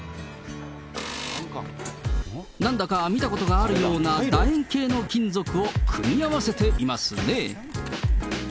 なんだか見たことがあるようなだ円形の金属を組み合わせていますね。